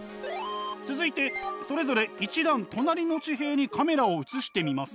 続いてそれぞれ一段隣の地平にカメラを移してみます。